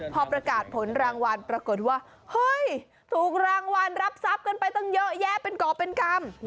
พอประกาศผลรางวัลปรากฏว่าเฮ้ยถูกรางวัลรับทรัพย์กันไปตั้งเยอะแยะเป็นกรอบเป็นกรรม